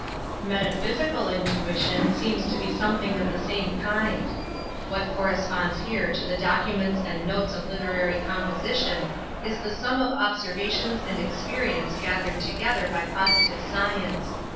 Metaphysical inti ition seems to be something of the i Metaphysics 91 kind. What corresponds here to the docu ments and notes of literary composition is the sum of observations and experiences, gathered together by positive science.